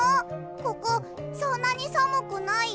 ここそんなにさむくないよ？